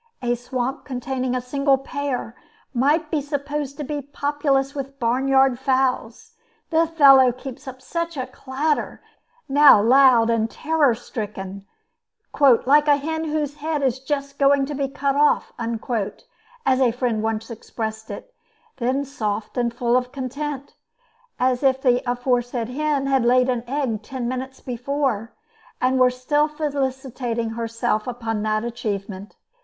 A swamp containing a single pair might be supposed to be populous with barn yard fowls, the fellow keeps up such a clatter: now loud and terror stricken, "like a hen whose head is just going to be cut off," as a friend once expressed it; then soft and full of content, as if the aforesaid hen had laid an egg ten minutes before, and were still felicitating herself upon the achievement.